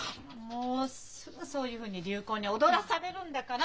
もうすぐそういうふうに流行に踊らされるんだから！